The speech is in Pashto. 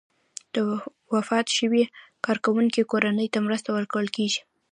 د وفات شوي کارکوونکي کورنۍ ته مرسته ورکول کیږي.